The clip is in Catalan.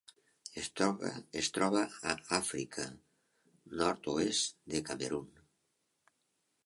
Es troba a Àfrica: nord-oest del Camerun.